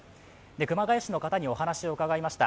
熊谷市の方にお話を伺いました。